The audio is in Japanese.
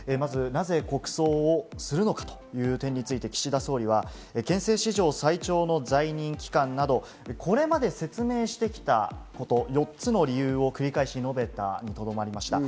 なぜ国葬するかという点について岸田総理は憲政史上最長の在任期間などこれまで説明してきたこと、４つの理由を繰り返し述べたにとどまりました。